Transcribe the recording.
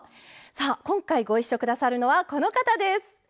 さあ今回ご一緒下さるのはこの方です！